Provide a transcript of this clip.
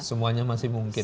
semuanya masih mungkin